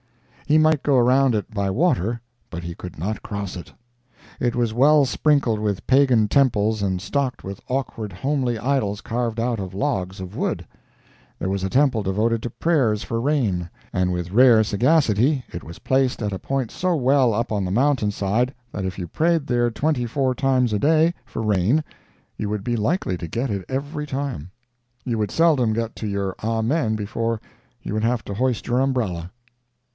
He might go around it by water, but he could not cross it. It was well sprinkled with pagan temples and stocked with awkward, homely idols carved out of logs of wood. There was a temple devoted to prayers for rain—and with rare sagacity it was placed at a point so well up on the mountain side that if you prayed there twenty four times a day for rain you would be likely to get it every time. You would seldom get to your Amen before you would have to hoist your umbrella.